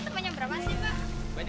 temannya berapa sih pak